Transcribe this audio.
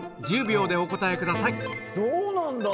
１０秒でお答えくださいどうなんだ？